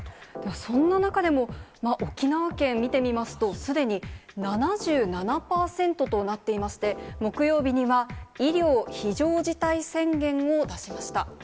そんな中でも、沖縄県、見てみますと、すでに７７％となっていまして、木曜日には医療非常事態宣言を出しました。